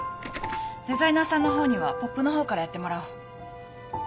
デザイナーさんのほうにはポップのほうからやってもらおう。